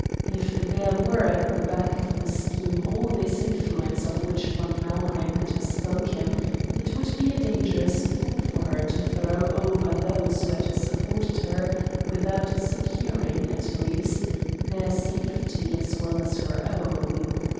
If there were at the back of the scheme all this influence of which von Nauheim had spoken, it would be a dangerous thing for her to throw over those who had supported her without securing, at least, their safety as well as her own.